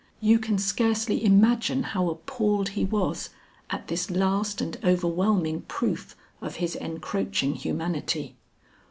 You can scarcely imagine how appalled he was at this last and overwhelming proof of his encroaching humanity.